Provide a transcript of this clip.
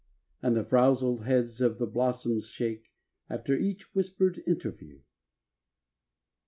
And the frowzled heads of the blossoms shake After each whispered interview.